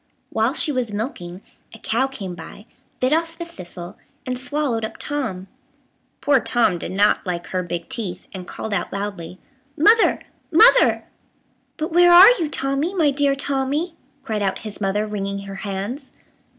While she was milking, a cow came by, bit off the thistle, and swallowed up Tom. Poor Tom did not like her big teeth, and called out loudly, "Mother, mother!" "But where are you, Tommy, my dear Tommy?" cried out his mother, wringing her hands.